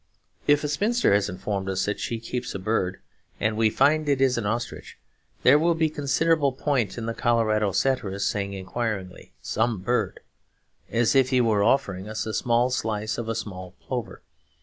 If a spinster has informed us that she keeps a bird, and we find it is an ostrich, there will be considerable point in the Colorado satirist saying inquiringly, 'Some bird?' as if he were offering us a small slice of a small plover.